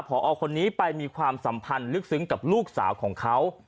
พอคนนี้ไปมีความสัมพันธ์ลึกซึ้งกับลูกสาวของเขา